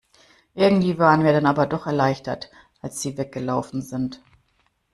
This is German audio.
Irgendwie waren wir dann aber doch erleichtert, als sie weg gelaufen sind.